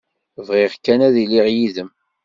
Bɣiɣ kan ad iliɣ yid-m.